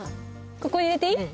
ここ入れていい？